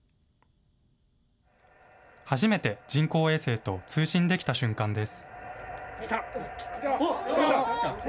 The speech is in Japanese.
初めて人工衛星と通信できた瞬間です。